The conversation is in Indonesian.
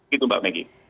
begitu mbak meki